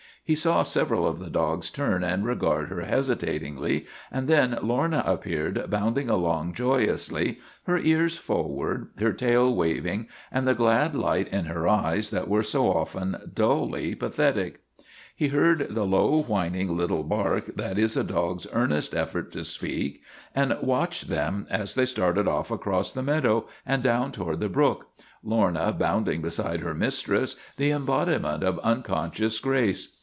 He saw several of the dogs turn and regard her hesi tatingly and then Lorna appeared, bounding along joyously, her ears forward and her tail waving, and the glad light in her eyes that were so often dully LORNA OF THE BLACK EYE 259 pathetic. He heard the low, whining little bark that is a dog's earnest effort to speak, and watched them as they started off across the meadow and down toward the brook, Lorna bounding beside her mis tress, the embodiment of unconscious grace.